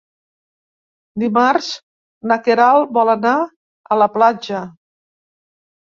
Dimarts na Queralt vol anar a la platja.